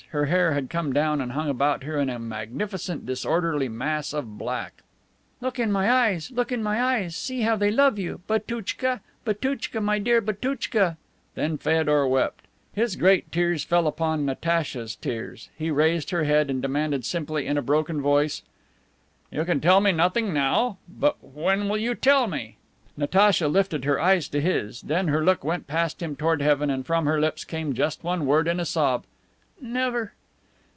Her hair had come down and hung about her in a magnificent disorderly mass of black. "Look in my eyes! Look in my eyes! See how they love you, Batouchka! Batouchka! My dear Batouchka!" Then Feodor wept. His great tears fell upon Natacha's tears. He raised her head and demanded simply in a broken voice: "You can tell me nothing now? But when will you tell me?" Natacha lifted her eyes to his, then her look went past him toward heaven, and from her lips came just one word, in a sob: "Never."